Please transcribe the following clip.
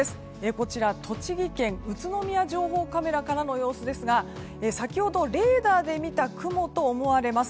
こちら栃木県宇都宮情報カメラからの様子ですが先ほどレーダーで見た雲と思われます。